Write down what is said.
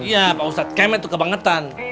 iya pak ustad kemet tuh kebangetan